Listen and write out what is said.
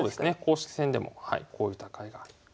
公式戦でもこういう戦いがありますね。